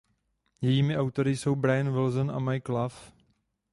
Jejími autory jsou Brian Wilson a Mike Love.